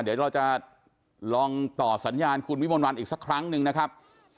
เดี๋ยวเราจะลองต่อสัญญาณคุณวิมนต์วันอีกสักครั้งหนึ่งนะครับ